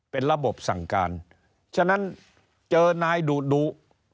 เป็นระบบสั่งการฉะนั้นเจอนายดุดุ